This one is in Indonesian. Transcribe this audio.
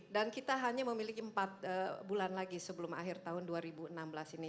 dan kita hanya memiliki empat bulan lagi sebelum akhir tahun dua ribu enam belas ini